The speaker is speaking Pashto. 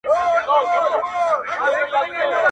ستا بې مثاله ُحسن مي هم خوب هم یې تعبیر دی,